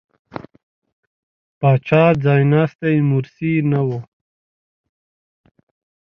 پاچا ځایناستی مورثي نه و.